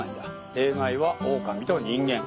例外はオオカミと人間。